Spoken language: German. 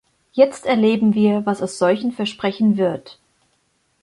Jetzt erleben wir, was aus solchen Versprechen wird.